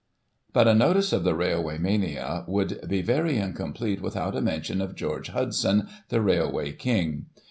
" But a notice of the Railway Mania would be very incomplete without a mention of George Hudson, the Railway King.